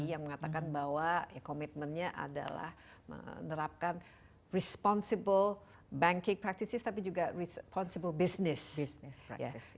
yang mengatakan bahwa komitmennya adalah menerapkan responsible banking practices tapi juga responsible business